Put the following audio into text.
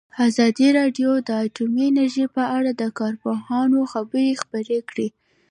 ازادي راډیو د اټومي انرژي په اړه د کارپوهانو خبرې خپرې کړي.